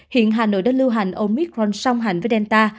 hiện hà nội đã lưu hành omicron song hành với delta